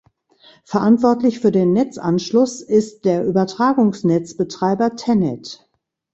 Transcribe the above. Verantwortlich für den Netzanschluss ist der Übertragungsnetzbetreiber Tennet.